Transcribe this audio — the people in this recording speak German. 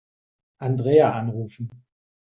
Andrea anrufen.